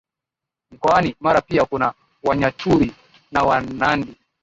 mkoani Mara pia kuna Wanyaturu na Wanandi